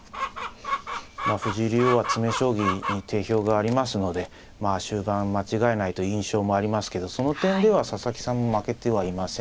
藤井竜王は詰め将棋に定評がありますのでまあ終盤間違えないという印象もありますけどその点では佐々木さんも負けてはいません。